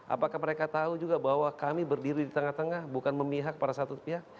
apakah mereka tahu juga bahwa kami berdiri di tengah tengah bukan memihak pada satu pihak